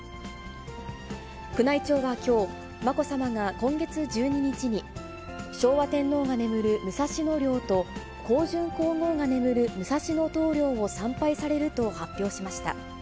宮内庁はきょう、まこさまが今月１２日に、昭和天皇が眠る武蔵野陵と、香淳皇后が眠る武蔵野東陵を参拝されると発表しました。